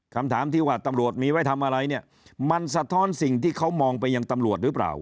คำถามที่ว่าตำรวจมีไว้ทำอะไรเนี่ยมันสะท้อนสิ่งที่เขามองไปยังตำรวจหรือเปล่า